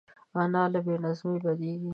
انا له بې نظمۍ بدېږي